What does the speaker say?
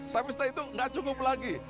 tapi setelah itu nggak cukup lagi